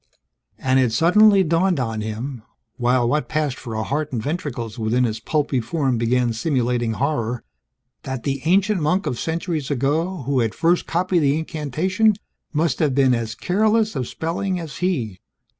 And it suddenly dawned on him (while what passed for a heart and ventricles within his pulpy form began simulating horror) that the ancient monk of centuries ago who had first copied the incantation must have been as careless of spelling as he.